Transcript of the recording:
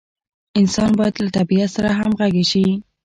انسان باید له طبیعت سره همغږي شي.